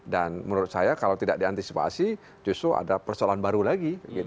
dan menurut saya kalau tidak diantisipasi justru ada persoalan baru lagi